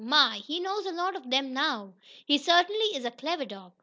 "My! He knows a lot of them now. He certainly is a clever dog!"